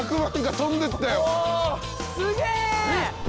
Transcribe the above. すげえ！